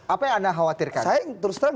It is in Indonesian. apa yang anda khawatirkan